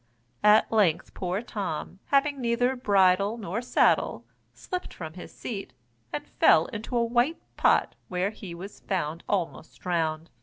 At length poor Tom, having neither bridle nor saddle, slipped from his seat, and fell into a white pot, where he was found almost drowned.